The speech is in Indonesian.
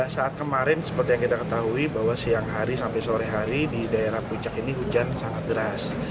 saat kemarin seperti yang kita ketahui bahwa siang hari sampai sore hari di daerah puncak ini hujan sangat deras